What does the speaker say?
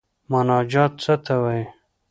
مناجات څه ته وايي.